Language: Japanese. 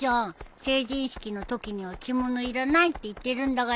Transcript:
成人式の時には着物いらないって言ってるんだから！